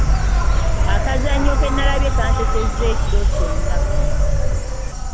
Akazannyo ke nnalabye kansesezza ekiro kyonna.